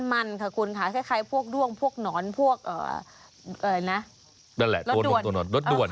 มันค่ะคุณค่ะคล้ายพวกด้วงพวกหนอนพวกลดด่วน